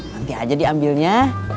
nanti aja diambilnya